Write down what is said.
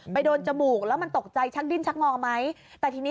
ไปโดนจมูกแล้วมันตกใจชักดิ้นชักงอกไหม